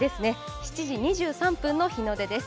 ７時２３分の日の出です。